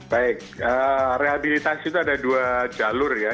baik rehabilitasi itu ada dua jalur ya